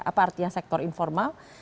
apa artinya sektor informal